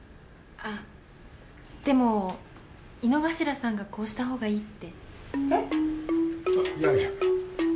あでも井之頭さんがこうしたほうがいいって。え？